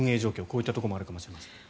こういったところもあるかもしれません。